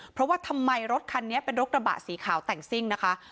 เพราะว่าทำไมรถคันนี้เป็นรถกระบะสีขาวแต่งซิ่งนะคะ